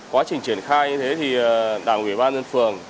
quá trình triển khai như thế thì đảng ủy ban dân phường